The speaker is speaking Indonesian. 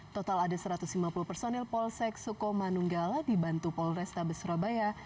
total ada satu ratus lima puluh personil polsek sukamanunggal dibantu polresta beserabaya